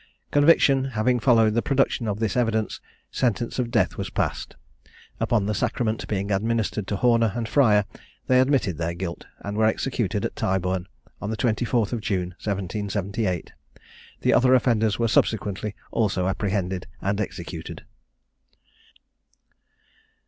Conviction having followed the production of this evidence, sentence of death was passed. Upon the sacrament being administered to Horner and Fryer, they admitted their guilt, and were executed at Tyburn on the 24th of June, 1778. The other offenders were subsequently also apprehended and executed.